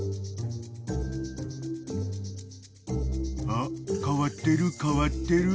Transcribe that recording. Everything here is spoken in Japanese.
［あっ変わってる変わってる］